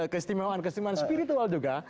kestimewaan kestimewaan spiritual juga